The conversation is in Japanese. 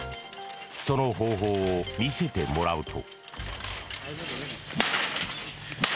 その方法を見せてもらうと。